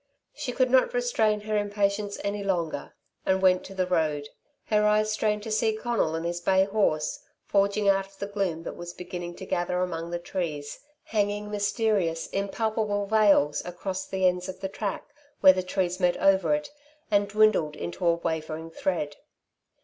She could not restrain her impatience any longer, and went to the road. Her eyes strained to see Conal and his bay horse, forging out of the gloom that was beginning to gather amongst the trees, hanging mysterious, impalpable veils across the ends of the track where the trees met over it, and it dwindled into a wavering thread.